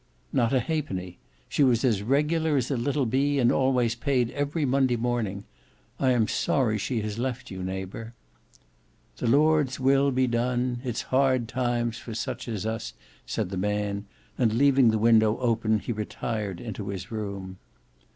"Not a halfpenny. She was as regular as a little bee and always paid every Monday morning. I am sorry she has left you, neighbour." "The Lord's will be done. It's hard times for such as us," said the man; and leaving the window open, he retired into his room.